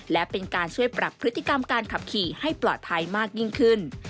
และเป็นการช่วยปรับพฤติกรรมการขับขี่ให้ปลอดภัยมากยิ่งขึ้น